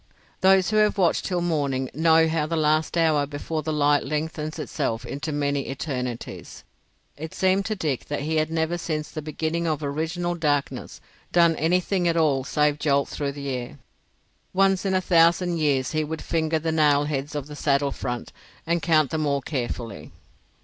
Those who have watched till the morning know how the last hour before the light lengthens itself into many eternities. It seemed to Dick that he had never since the beginning of original darkness done anything at all save jolt through the air. Once in a thousand years he would finger the nailheads on the saddle front and count them all carefully.